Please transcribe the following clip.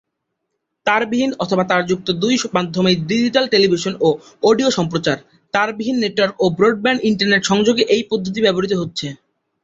তারবিহীন অথবা তারযুক্ত দুই মাধ্যমেই ডিজিটাল টেলিভিশন ও অডিও সম্প্রচার, তারবিহীন নেটওয়ার্কিং ও ব্রডব্যান্ড ইন্টারনেট সংযোগে এই পদ্ধতি ব্যবহৃত হচ্ছে।